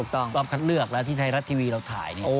รอบคัดเลือกแล้วที่ไทยรัฐทีวีเราถ่ายนี่